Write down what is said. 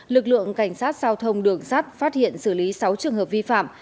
lực lượng cảnh sát giao thông đường sắt phát hiện xử lý sáu trường hợp vi phạm